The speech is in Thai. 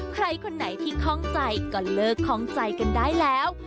ใครคนไหนที่คล่องใจก็เลิกคล่องใจกันได้แล้ว